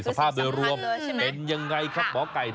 สภาพเดียวรวมเป็นอย่างไรครับหมอไก่